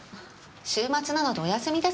週末なのでお休みです。